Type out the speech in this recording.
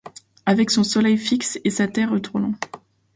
Avec son soleil fixe et sa terre tournant !